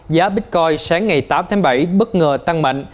giá bitcoin sáng ngày tám tháng bảy bất ngờ tăng mạnh